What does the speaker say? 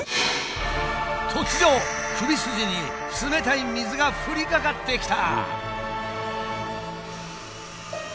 突如首筋に冷たい水が降りかかってきた！